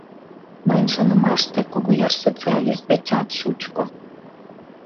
Мыйын шонымаште, Кугуяр социалист дечат шучко!